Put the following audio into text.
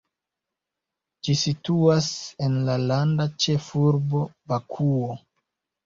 Ĝi situas en la landa ĉefurbo, Bakuo.